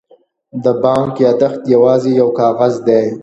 د بانک یادښت یوازې یو کاغذ دی.